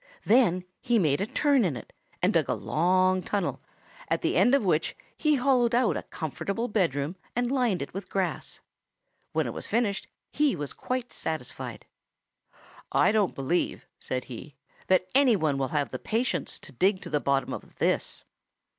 Then he made a turn in it and dug a long tunnel, at the end of which he hollowed out a comfortable bedroom and lined it with grass. When it was finished he was quite satisfied. "'I don't believe,' said he, 'that any one will have the patience to dig to the bottom of this.'